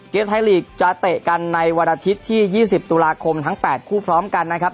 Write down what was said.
เกมไทยลีกจะเตะกันในวันอาทิตย์ที่๒๐ตุลาคมทั้ง๘คู่พร้อมกันนะครับ